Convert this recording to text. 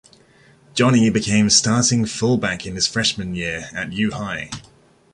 Johnny became starting fullback in his freshman year at U-High.